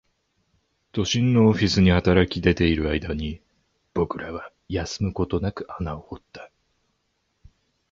都心のオフィスに働き出ている間に、僕らは休むことなく穴を掘った